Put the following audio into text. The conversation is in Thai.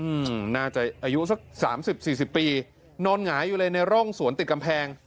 อืมน่าใจอายุสัก๓๐๔๐ปีนอนหงายอยู่เลยในร่องสวนติดกำแพง